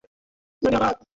এখন আর কিছু হবেনা।